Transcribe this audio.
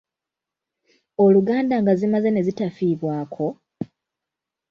Oluganda nga zimaze ne zitafiibwako?